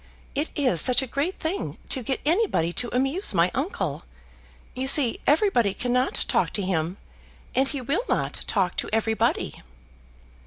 "It is such a great thing to get anybody to amuse my uncle. You see everybody cannot talk to him, and he will not talk to everybody."